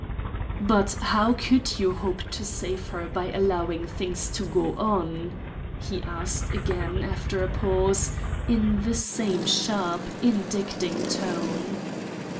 "But how could you hope to save her by allowing things to go on?" he asked again after a pause in the same sharp, indicting tone.